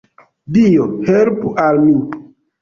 Dio, helpu al mi!